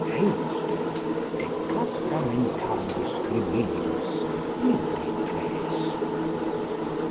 Ejusdem de castramentandis criminibus libri tres.